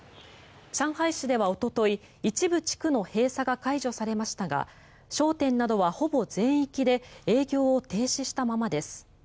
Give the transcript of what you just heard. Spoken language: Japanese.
上海市ではおととい一部地区の閉鎖が解除されましたが商店などは、ほぼ全域で営業を停止したままです。